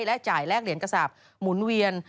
และจ่ายแลกเหรียญกระสาปหมุนเวียน